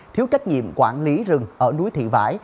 thiếu trách nhiệm quản lý rừng ở núi thị vãi